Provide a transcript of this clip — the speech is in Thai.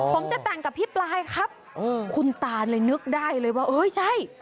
ผมจะแต่งกับพี่ปลายครับคุณตาเลยนึกได้เลยว่าเอ้ยใช่